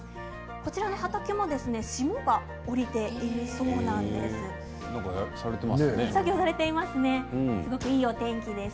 こちらの畑も霜が降りているそうです。